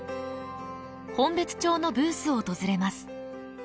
本別町のブースを訪れます。